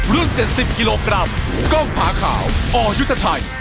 รุ่น๗๐กิโลกรัมกล้องผาขาวอยุทธชัย